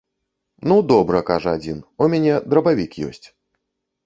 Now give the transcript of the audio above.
Ну, добра, кажа адзін, у мяне драбавік ёсць.